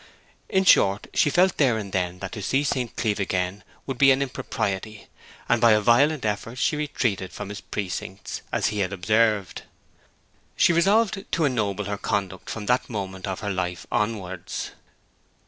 In short, she felt there and then that to see St. Cleeve again would be an impropriety; and by a violent effort she retreated from his precincts, as he had observed. She resolved to ennoble her conduct from that moment of her life onwards.